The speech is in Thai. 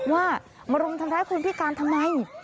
ว่ามารุมทำร้ายคนพิการทำไม